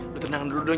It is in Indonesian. lu tenang dulu dong